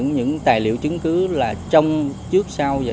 trong tài liệu chứng cứ là trong tài liệu chứng cứ